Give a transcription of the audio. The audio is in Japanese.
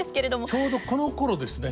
ちょうどこのころですね。